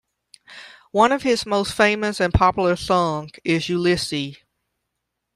One of his most famous and popular songs is "Ulysse".